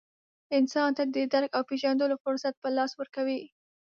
انسان ته د درک او پېژندلو فرصت په لاس ورکوي.